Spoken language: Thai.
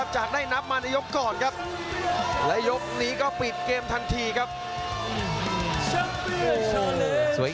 ใช้หวังซ้ายพระนักภูมิตบด้วยหุ้กซ้าย